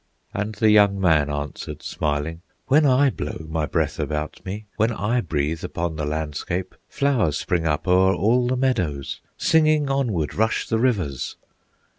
And the young man answered, smiling: "When I blow my breath about me, When I breathe upon the landscape, Flowers spring up o'er all the meadows, Singing, onward rush the rivers!"